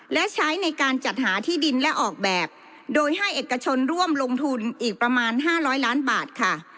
และใช้ในการจัดหาที่ดินและออกแบบโดยให้เอกชนร่วมลงทุนอีกประมาณ๕๐๐ล้านบาทค่ะ